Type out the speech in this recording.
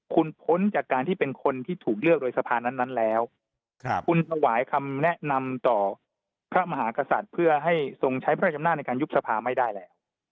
คุณพ้นจากการที่เป็นคนที่ถูกเลือกโดยสภานั้นแล้วคุณถวายคำแนะนำต่อพระมหากษัตริย์เพื่อให้ทรงใช้พระราชอำนาจในการยุบสภาไม่ได้แล้ว